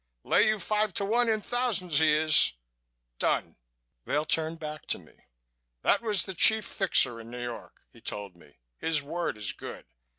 Lay you five to one in thousands he is.... Done!" Vail turned back to me. "That was the chief fixer in New York," he told me. "His word is good.